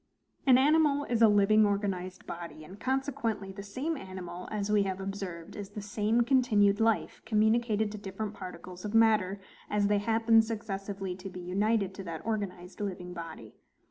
An animal is a living organized body; and consequently the same animal, as we have observed, is the same continued LIFE communicated to different particles of matter, as they happen successively to be united to that organized living body.